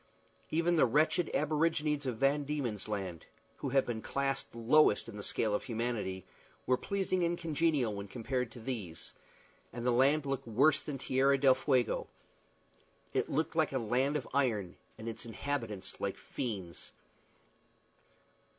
Even the wretched aborigines of Van Dieman's Land, who have been classed lowest in the scale of humanity, were pleasing and congenial when compared with these, and the land looked worse than Tierra del Fuego. It looked like a land of iron, and its inhabitants like fiends.